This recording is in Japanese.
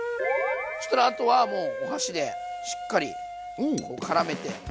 そしたらあとはもうお箸でしっかりこうからめて。